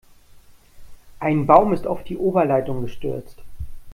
Ein Baum ist auf die Oberleitung gestürzt.